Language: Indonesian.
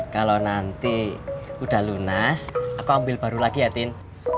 kalau nanti udah lunas aku ambil baru lagi ya tin